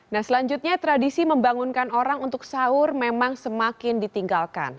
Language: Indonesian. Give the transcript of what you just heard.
nah selanjutnya tradisi membangunkan orang untuk sahur memang semakin ditinggalkan